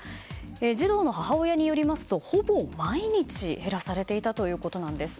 児童の母親によりますとほぼ毎日減らされていたということです。